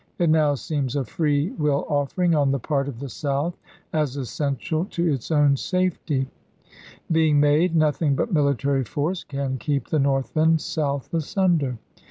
It now seems a free will offering on the part of the South as essential to its own safety. Vol. X.— 7 98 ABKAHAM LINCOLN chap.v. Being made, nothing but military force can keep the North and South asunder.